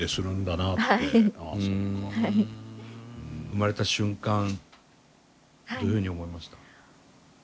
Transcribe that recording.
生まれた瞬間どういうふうに思いました？